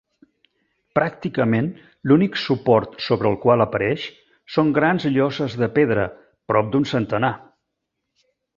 Pràcticament, l'únic suport sobre el qual apareix són grans lloses de pedra, prop d'un centenar.